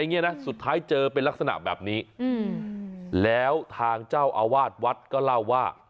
นะสุดท้ายเจอเป็นลักษณะแบบนี้อืมแล้วทางเจ้าอาวาสวัดก็เล่าว่า